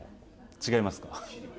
違いますか。